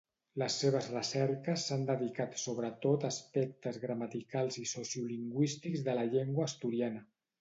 Les seves recerques s'han dedicat sobretot a aspectes gramaticals i sociolingüístics de la llengua asturiana.